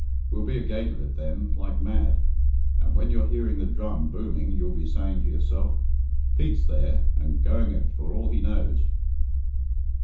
We'll be agate of it then like mad, and when you're hearing the drum booming you'll be saying to yourself, 'Pete's there, and going it for all he knows.'"